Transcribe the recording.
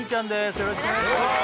よろしくお願いします